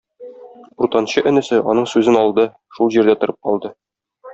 Уртанчы энесе аның сүзен алды, шул җирдә торып калды.